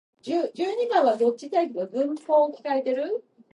In the fall he resumed studying for his communications degree at Sacramento State.